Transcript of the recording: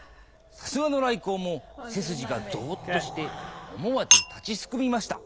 さすがの頼光も背筋がゾッとして思わず立ちすくみました。